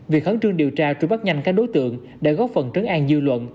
việc khẳng trương điều tra trụ bắt nhanh các đối tượng đã góp phần trấn an dư luận